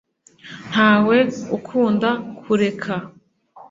ntawe ukunda kureka